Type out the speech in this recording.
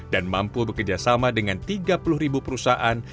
dan mampu bekerjasama dengan tiga puluh perusahaan